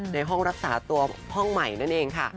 ในห้องรักษาตัวห้องใหม่นั่นเองค่ะ